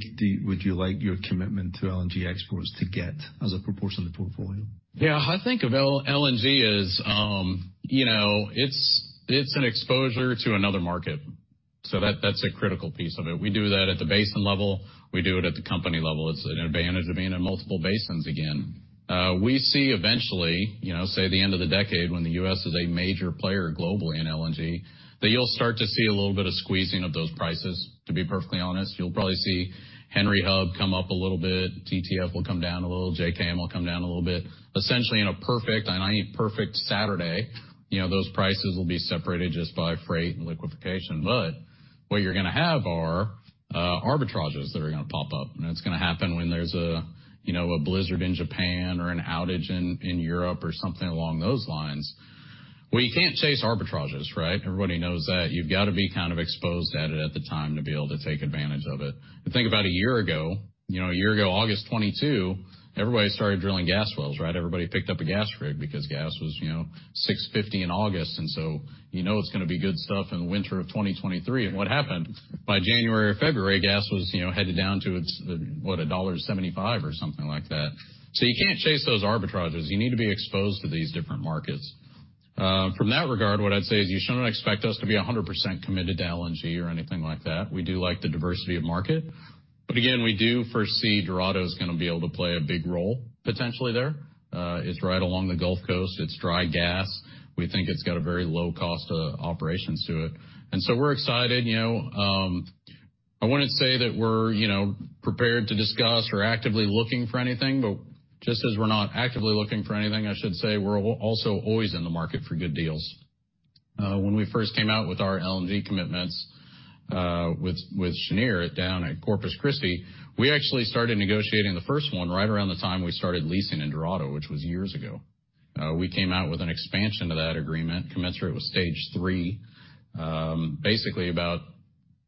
Speaker 1: would you like your commitment to LNG exports to get as a proportion of the portfolio?
Speaker 2: Yeah, I think of LNG as, you know, it's, it's an exposure to another market, so that's a critical piece of it. We do that at the basin level, we do it at the company level. It's an advantage of being in multiple basins again. We see eventually, you know, say, the end of the decade, when the US is a major player globally in LNG, that you'll start to see a little bit of squeezing of those prices, to be perfectly honest. You'll probably see Henry Hub come up a little bit, TTF will come down a little, JKM will come down a little bit. Essentially in a perfect, and I mean perfect, scenario, you know, those prices will be separated just by freight and liquefaction. But what you're gonna have are arbitrages that are gonna pop up, and it's gonna happen when there's a, you know, a blizzard in Japan or an outage in Europe or something along those lines. Well, you can't chase arbitrages, right? Everybody knows that. You've got to be kind of exposed to it at the time to be able to take advantage of it. But think about a year ago, you know, a year ago, August 2022, everybody started drilling gas wells, right? Everybody picked up a gas rig because gas was, you know, $6.50 in August, and so you know it's gonna be good stuff in the winter of 2023. And what happened? By January or February, gas was, you know, headed down to its, what, $1.75 or something like that. So you can't chase those arbitrages, you need to be exposed to these different markets. From that regard, what I'd say is you shouldn't expect us to be 100% committed to LNG or anything like that. We do like the diversity of market, but again, we do foresee Dorado's gonna be able to play a big role potentially there. It's right along the Gulf Coast. It's dry gas. We think it's got a very low cost of operations to it. And so we're excited, you know, I wouldn't say that we're, you know, prepared to discuss or actively looking for anything, but just as we're not actively looking for anything, I should say we're also always in the market for good deals. When we first came out with our LNG commitments, with Cheniere down at Corpus Christi, we actually started negotiating the first one right around the time we started leasing in Dorado, which was years ago. We came out with an expansion to that agreement, commensurate with Stage three. Basically, about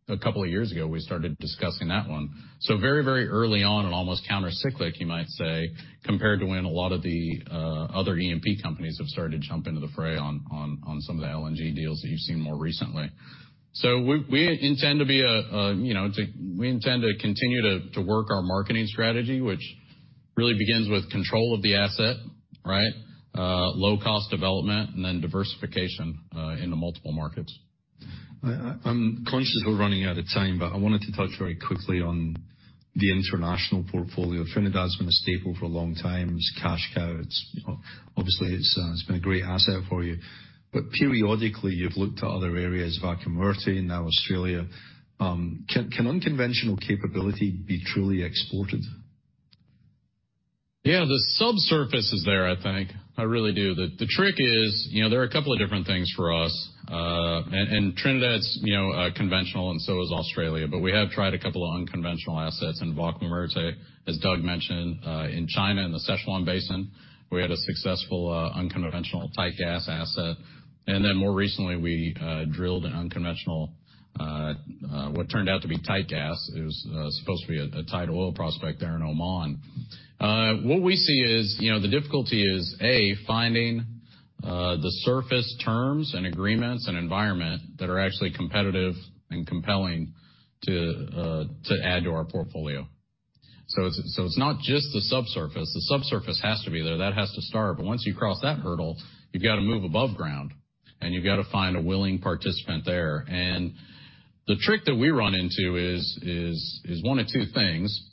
Speaker 2: a couple of years ago, we started discussing that one. So very, very early on and almost countercyclically, you might say, compared to when a lot of the other E&P companies have started to jump into the fray on some of the LNG deals that you've seen more recently. So we intend to be a, you know, to— We intend to continue to work our marketing strategy, which really begins with control of the asset, right? Low-cost development and then diversification into multiple markets.
Speaker 1: I'm conscious we're running out of time, but I wanted to touch very quickly on the international portfolio. Trinidad's been a staple for a long time. It's a cash cow. It's, you know, obviously, it's been a great asset for you. But periodically, you've looked to other areas, Vaca Muerta, and now Australia. Can unconventional capability be truly exported?
Speaker 2: Yeah, the subsurface is there, I think. I really do. The trick is, you know, there are a couple of different things for us, and Trinidad's, you know, conventional, and so is Australia, but we have tried a couple of unconventional assets in Vaca Muerta, as Doug mentioned, in China, in the Sichuan Basin, we had a successful unconventional tight gas asset. And then more recently, we drilled an unconventional what turned out to be tight gas. It was supposed to be a tight oil prospect there in Oman. What we see is, you know, the difficulty is, A, finding the surface terms and agreements and environment that are actually competitive and compelling to add to our portfolio. So it's not just the subsurface. The subsurface has to be there. That has to start, but once you cross that hurdle, you've got to move above ground, and you've got to find a willing participant there. And the trick that we run into is one of two things.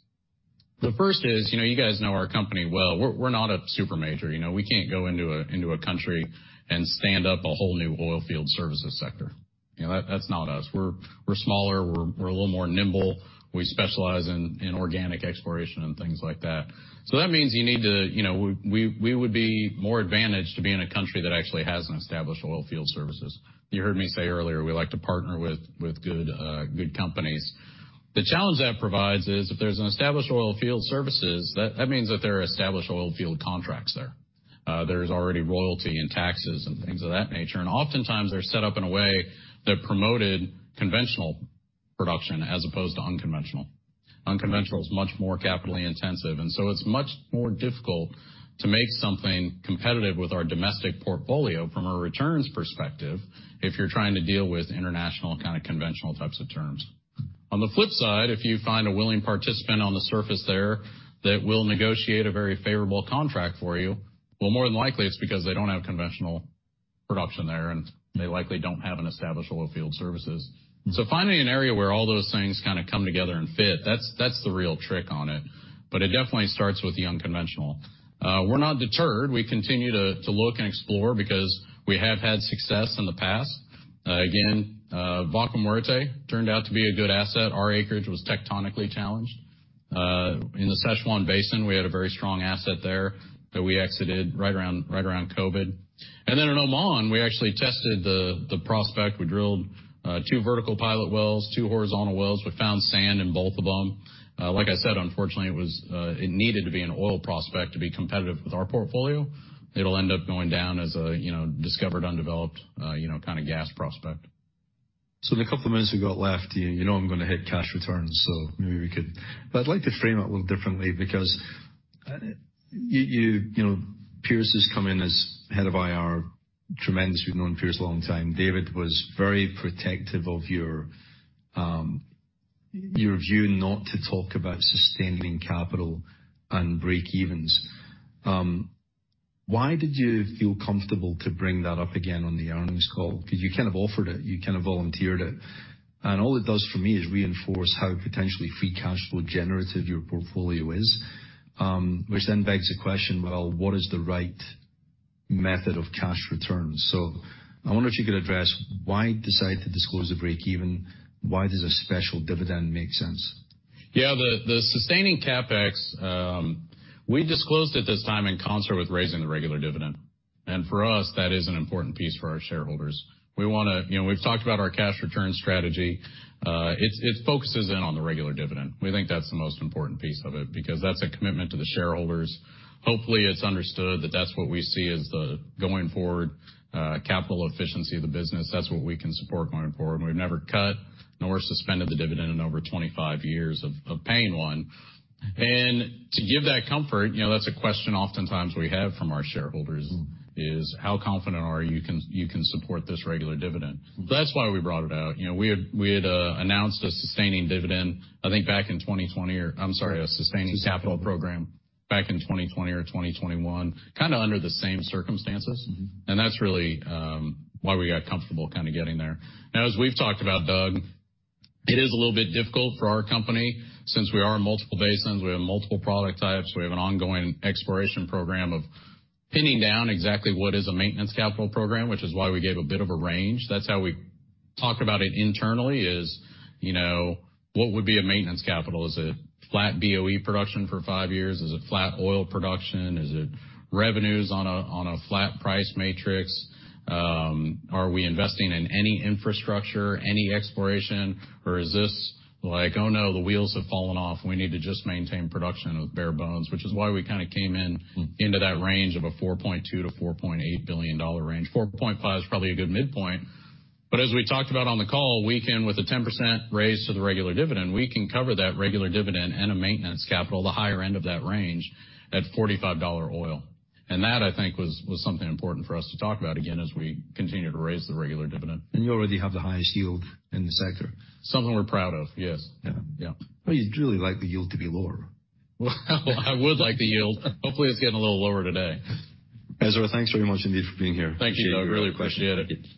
Speaker 2: The first is, you know, you guys know our company well. We're, we're not a super major, you know? We can't go into a country and stand up a whole new oilfield services sector. You know, that's not us. We're, we're smaller. We're, we're a little more nimble. We specialize in organic exploration and things like that. So that means you need to, you know, we would be more advantaged to be in a country that actually has an established oilfield services. You heard me say earlier, we like to partner with good companies. The challenge that provides is, if there's an established oilfield services, that means that there are established oilfield contracts there. There's already royalty and taxes and things of that nature, and oftentimes they're set up in a way that promoted conventional production as opposed to unconventional. Unconventional is much more capital intensive, and so it's much more difficult to make something competitive with our domestic portfolio from a returns perspective if you're trying to deal with international kind of conventional types of terms. On the flip side, if you find a willing participant on the surface there that will negotiate a very favorable contract for you, well, more than likely it's because they don't have conventional production there, and they likely don't have an established oilfield services. Finding an area where all those things kind of come together and fit, that's the real trick on it, but it definitely starts with the unconventional. We're not deterred. We continue to look and explore because we have had success in the past. Again, Vaca Muerta turned out to be a good asset. Our acreage was tectonically challenged. In the Sichuan Basin, we had a very strong asset there that we exited right around COVID. And then in Oman, we actually tested the prospect. We drilled 2 vertical pilot wells, 2 horizontal wells. We found sand in both of them. Like I said, unfortunately, it was it needed to be an oil prospect to be competitive with our portfolio. It'll end up going down as a you know discovered undeveloped you know kind of gas prospect.
Speaker 1: So the couple of minutes we've got left, you know I'm gonna hit cash returns, so maybe we could... But I'd like to frame it a little differently, because, you know, Pearce has come in as head of IR, tremendous. We've known Pearce a long time. David was very protective of your view not to talk about sustaining capital and breakevens. Why did you feel comfortable to bring that up again on the earnings call? Because you kind of offered it, you kind of volunteered it, and all it does for me is reinforce how potentially free cash flow generative your portfolio is. Which then begs the question, well, what is the right method of cash returns? So I wonder if you could address why decide to disclose a breakeven? Why does a special dividend make sense?
Speaker 2: Yeah, the sustaining CapEx we disclosed at this time in concert with raising the regular dividend, and for us, that is an important piece for our shareholders. We wanna... You know, we've talked about our cash return strategy. It focuses in on the regular dividend. We think that's the most important piece of it, because that's a commitment to the shareholders. Hopefully, it's understood that that's what we see as the going forward capital efficiency of the business. That's what we can support going forward. We've never cut, nor suspended the dividend in over 25 years of paying one. And to give that comfort, you know, that's a question oftentimes we have from our shareholders, is how confident are you can support this regular dividend? So that's why we brought it out. You know, we had announced a sustaining dividend, I think, back in 2020, or I'm sorry, a sustaining capital program back in 2020 or 2021, kind of under the same circumstances. And that's really, why we got comfortable kind of getting there. Now, as we've talked about, Doug, it is a little bit difficult for our company, since we are in multiple basins, we have multiple product types, we have an ongoing exploration program of pinning down exactly what is a maintenance capital program, which is why we gave a bit of a range. That's how we talk about it internally is, you know, what would be a maintenance capital? Is it flat BOE production for five years? Is it flat oil production? Is it revenues on a, on a flat price matrix? Are we investing in any infrastructure, any exploration, or is this like, oh, no, the wheels have fallen off, we need to just maintain production with bare bones? Which is why we kind of came in into that range of a $4.2-$4.8 billion range. 4.5 is probably a good midpoint, but as we talked about on the call, we can, with a 10% raise to the regular dividend, we can cover that regular dividend and a maintenance capital, the higher end of that range, at $45 oil. And that, I think, was, was something important for us to talk about again as we continue to raise the regular dividend.
Speaker 1: You already have the highest yield in the sector.
Speaker 2: Something we're proud of, yes.
Speaker 1: Yeah.
Speaker 2: Yeah.
Speaker 1: Well, you'd really like the yield to be lower.
Speaker 2: Well, I would like the yield. Hopefully, it's getting a little lower today.
Speaker 1: Ezra, thanks very much indeed for being here.
Speaker 2: Thank you, Doug. Really appreciate it.